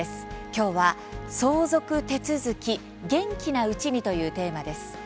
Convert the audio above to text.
今日は「相続手続き元気なうちに」というテーマです。